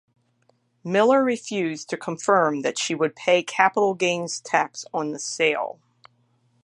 Miller refused to confirm that she would pay capital gains tax on the sale.